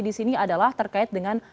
disini adalah terkait dengan